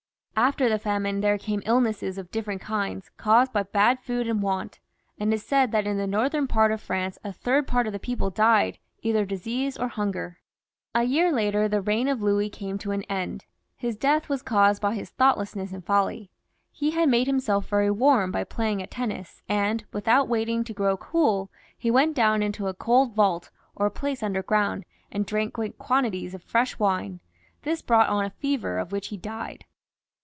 After the famine there came illnesses of different kinds, caused by bad food and want ; and it is said that in the northern part of France a third part of the people died either of disease or hunger. A year later the reign of Louis came to an end. His death was caused by his thoughtlessness and folly. He had made himself very hot with playing at tennis, and without waiting to grow cool, he went down into a cold vault, or place underground, and drank great quantities of fresh wina This brought on a fever of which he died.